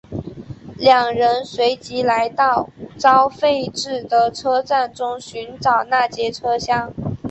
二人随即来到遭废置的车站中寻找那节车厢。